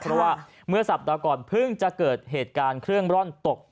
เพราะว่าเมื่อสัปดาห์ก่อนเพิ่งจะเกิดเหตุการณ์เครื่องร่อนตก